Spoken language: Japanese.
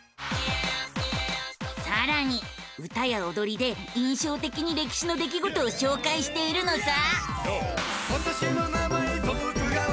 さらに歌やおどりで印象的に歴史の出来事を紹介しているのさ！